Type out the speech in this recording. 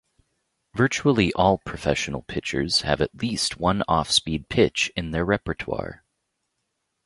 Virtually all professional pitchers have at least one off-speed pitch in their repertoire.